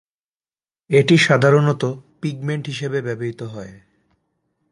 এটি সাধারণত পিগমেন্ট হিসেবে ব্যবহৃত হয়।